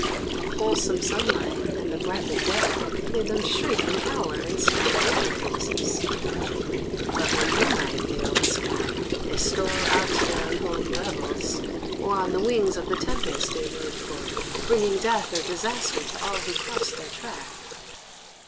The wholesome sunlight and the breath of day made them shrink and cower in secret lurking places, but when midnight veiled the sky they stole out to their unholy revels, or on the wings of the tempest they rode forth, bringing death or disaster to all who crossed their track.